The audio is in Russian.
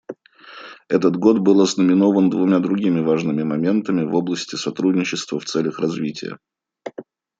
Этот год был ознаменован двумя другими важными моментами в области сотрудничества в целях развития.